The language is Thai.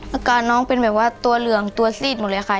อาการน้องเป็นแบบว่าตัวเหลืองตัวซีดหมดเลยค่ะ